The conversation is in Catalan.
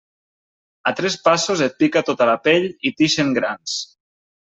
A tres passos et pica tota la pell i t'ixen grans.